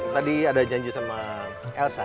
tadi ada janji sama elsa